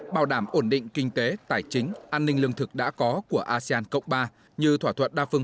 bảo đảm ổn định kinh tế tài chính an ninh lương thực đã có của asean cộng ba như thỏa thuận đa phương